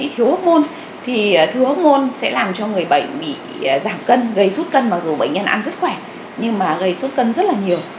thiếu hốc môn thì thừa hốc môn sẽ làm cho người bệnh bị giảm cân gây sút cân mặc dù bệnh nhân ăn rất khỏe nhưng mà gây sút cân rất là nhiều